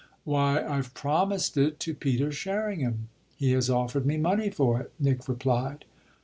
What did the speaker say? "Why I've promised it to Peter Sherringham he has offered me money for it," Nick replied.